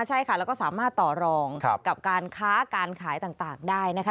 ใช่ค่ะแล้วก็สามารถต่อรองกับการค้าการขายต่างได้นะคะ